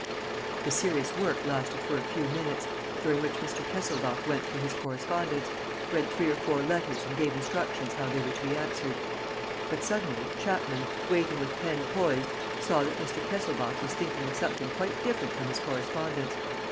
The serious work lasted for a few minutes, during which Mr. Kesselbach went through his correspondence, read three or four letters and gave instructions how they were to be answered. But, suddenly, Chapman, waiting with pen poised, saw that Mr. Kesselbach was thinking of something quite different from his correspondence.